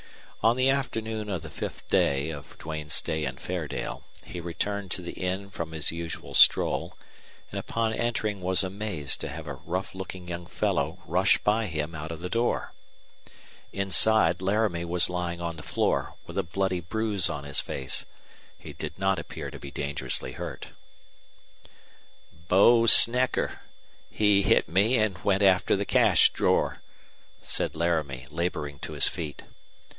On the afternoon of the fifth day of Duane's stay in Fairdale he returned to the inn from his usual stroll, and upon entering was amazed to have a rough looking young fellow rush by him out of the door. Inside Laramie was lying on the floor, with a bloody bruise on his face. He did not appear to be dangerously hurt. "Bo Snecker! He hit me and went after the cash drawer," said Laramie, laboring to his feet.